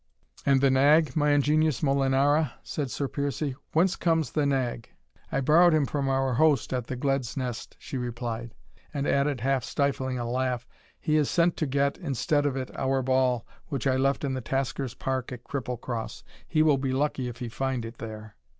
"And the nag, my ingenious Molinara," said Sir Piercie, "whence comes the nag?" "I borrowed him from our host at the Gled's Nest," she replied; and added, half stifling a laugh, "he has sent to get, instead of it, our Ball, which I left in the Tasker's Park at Cripplecross. He will be lucky if he find it there."